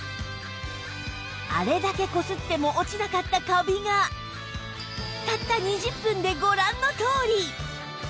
あれだけこすっても落ちなかったカビがたった２０分でご覧のとおり